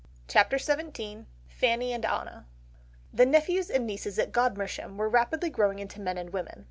CHAPTER XVII FANNY AND ANNA The nephews and nieces at Godmersham were rapidly growing into men and women.